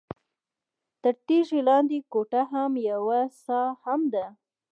تر تیږې لاندې کوټه کې یوه څاه هم ده.